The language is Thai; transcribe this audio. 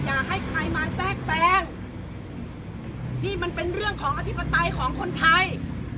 อย่าให้ใครมาแทรกแทรงนี่มันเป็นเรื่องของอธิปไตยของคนไทย